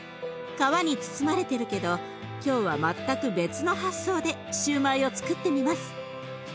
皮に包まれてるけど今日は全く別の発想でシューマイをつくってみます。